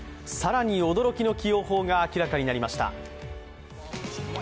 更に驚きの起用法が明らかになりました。